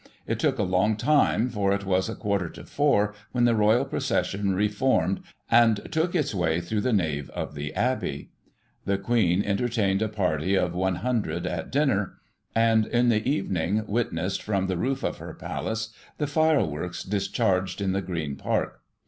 It took a long time, for it was a quarter to four when the royal procession reformed and took its way through the nave of the abbey. The Queen enter tained a party of 100 at dinner ; and, in the evening, witnessed. Digiti ized by Google 54 GOSSIP. [1838 from the roof of her palace, the fireworks discharged in the Green Park.